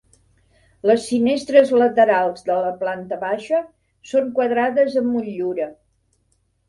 Les finestres laterals de la planta baixa són quadrades amb motllura.